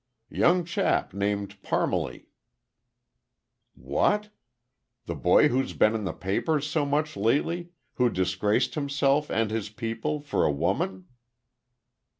"Young chap, named Parmalee." "What? The boy who's been in the papers so much lately who disgraced himself, and his people, for a woman?"